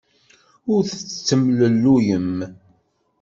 Ur tettemlelluyem.